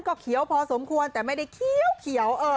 ก็เขียวพอสมควรแต่ไม่ได้เขียว